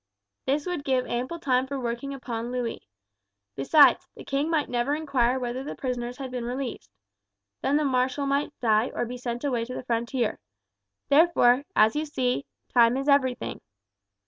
"This would give ample time for working upon Louis. Besides, the king might never inquire whether the prisoners had been released. Then the marshal might die or be sent away to the frontier. Therefore, as you see, time is everything.